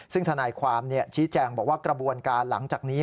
ซึ่งทนายความชี้แจงบอกว่ากระบวนการหลังจากนี้